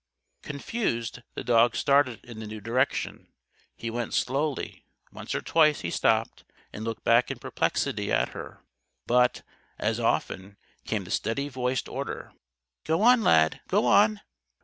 Confused, the dog started in the new direction. He went slowly. Once or twice he stopped and looked back in perplexity at her; but, as often, came the steady voiced order: "Go on! Lad! Go _on!